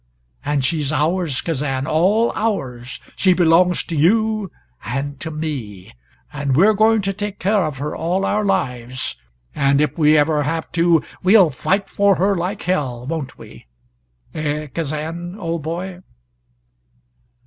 And she's ours, Kazan, all ours! She belongs to you and to me, and we're going to take care of her all our lives, and if we ever have to we'll fight for her like hell won't we? Eh, Kazan, old boy?"